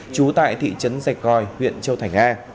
trú tại thị trấn rạch gòi huyện châu thành a